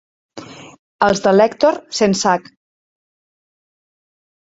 Els de l'Èctor sense hac.